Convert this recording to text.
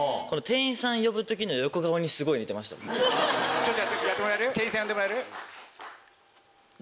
ちょっとやってもらえる？